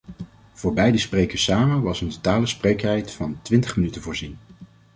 Voor beide sprekers samen was een totale spreektijd van twintig minuten voorzien.